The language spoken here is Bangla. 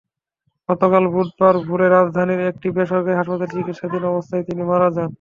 গতকাল বুধবার ভোরে রাজধানীর একটি বেসরকারি হাসপাতালে চিকিৎসাধীন অবস্থায় তিনি মারা যান।